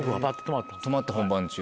止まって本番中。